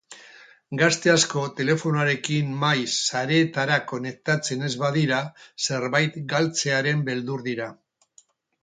Gazte asko telefonoarekin maiz sareetara konektatzen ez badira zerbait galtzearen beldur dira.